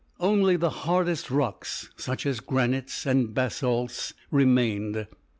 Only the hardest rocks, such as granites and basalts, remained.